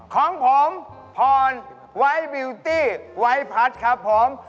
ของผมพรไวท์บิวตี้ไวท์พัดครับผม